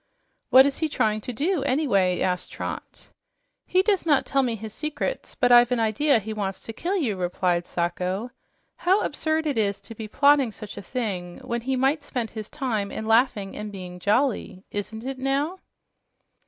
"What is he trying to do, anyway?" asked Trot. "He does not tell me all his secrets, but I've an idea he wants to kill you," replied Sacho. "How absurd it is to be plotting such a thing when he might spend his time in laughing and being jolly! Isn't it, now?"